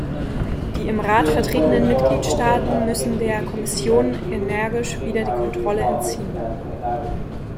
Die im Rat vertretenen Mitgliedstaaten müssen der Kommission energisch wieder die Kontrolle entziehen.